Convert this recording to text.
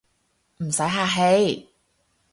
唔使客氣